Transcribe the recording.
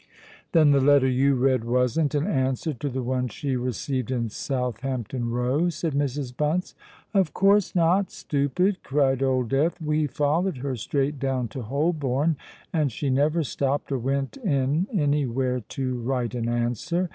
"Then the letter you read wasn't an answer to the one she received in Southampton Row?" said Mrs. Bunce. "Of course not, stupid!" cried Old Death. "We followed her straight down to Holborn, and she never stopped or went in any where to write an answer.